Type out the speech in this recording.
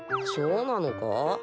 そうなのか？